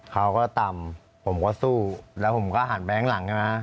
เขาก็ตำผมก็สู้แล้วผมก็หันไปข้างหลังนะครับ